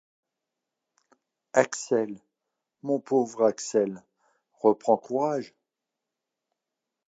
························« Axel, mon pauvre Axel, reprends courage !